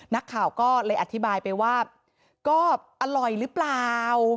นักข่าวก็เลยอธิบายไปว่าก็อร่อยหรือเปล่า